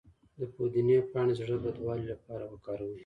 د پودینې پاڼې د زړه بدوالي لپاره وکاروئ